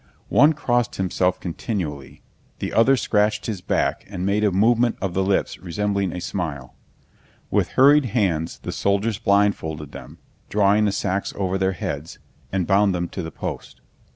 One crossed himself continually, the other scratched his back and made a movement of the lips resembling a smile. With hurried hands the soldiers blindfolded them, drawing the sacks over their heads, and bound them to the post.